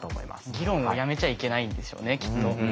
議論をやめちゃいけないんでしょうねきっと。